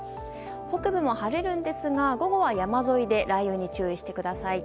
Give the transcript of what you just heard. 北部も晴れますが、午後は山沿いで雷雨に注意してください。